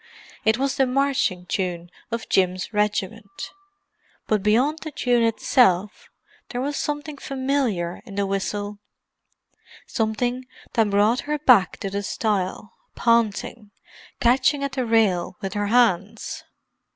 It was the marching tune of Jim's regiment; but beyond the tune itself there was something familiar in the whistle—something that brought her back to the stile, panting, catching at the rail with her hands.